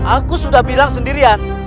aku sudah bilang sendirian